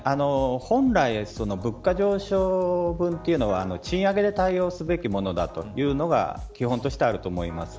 本来、物価上昇分というのは賃上げで対応すべきものだというのが基本としてはあると思います。